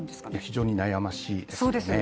非常に悩ましいですよね。